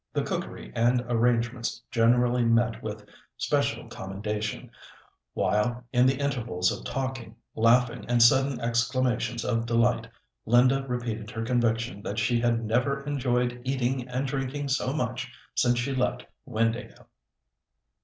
The cookery and arrangements generally met with special commendation, while in the intervals of talking, laughing, and sudden exclamations of delight, Linda repeated her conviction that she had never enjoyed eating and drinking so much since she left Windāhgil.